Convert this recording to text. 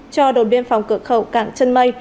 cho đội biên phòng cửa khẩu cảng chân mây